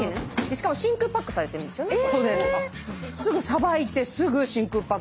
しかも真空パックされてるんですよね。